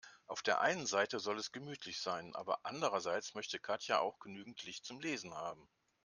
Auf der einen Seite soll es gemütlich sein, aber andererseits möchte Katja auch genügend Licht zum Lesen haben.